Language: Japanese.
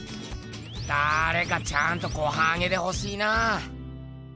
だれかちゃんとごはんあげてほしいなぁ。